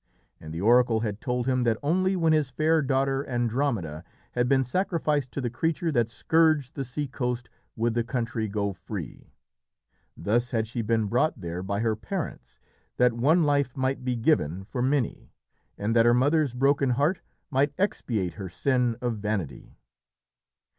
And the oracle had told him that only when his fair daughter, Andromeda, had been sacrificed to the creature that scourged the sea coast would the country go free. Thus had she been brought there by her parents that one life might be given for many, and that her mother's broken heart might expiate her sin of vanity.